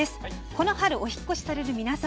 この春にお引っ越しをされる皆様。